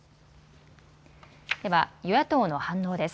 では、与野党の反応です。